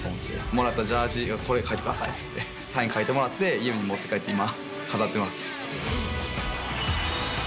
もらったジャージーに「これ書いてください」っつってサイン書いてもらって家に持って帰って今。